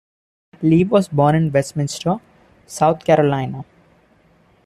Lee was born in Westminster, South Carolina.